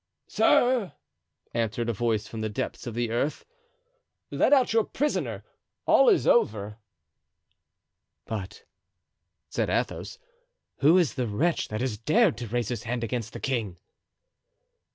"Sir," answered a voice from the depths of the earth. "Let out your prisoner. All is over." "But," said Athos, "who is the wretch that has dared to raise his hand against his king?"